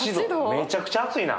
めちゃくちゃ暑いな。